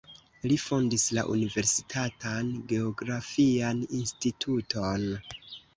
Li fondis la universitatan geografian instituton.